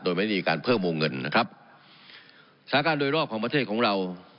โดยไม่ได้มีการเพิ่มมูลเงินนะครับสาขาโดยรอบของประเทศของเรา